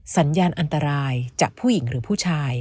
สัญญาณอันตรายจากผู้หญิงหรือผู้ชาย